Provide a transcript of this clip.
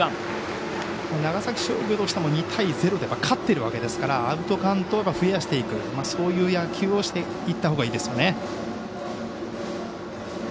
長崎商業としても２対０で勝っているわけですからアウトカウントを増やしていくそういう野球をしていったほうがいいですね。